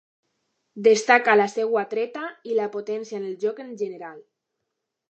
Destaca la seua treta, i la potència en el joc en general.